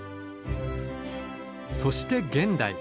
そして現代。